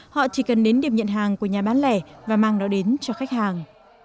họ chỉ cần đến điểm nhận hàng của nhà bán lẻ và mang đó đến cho khách hàng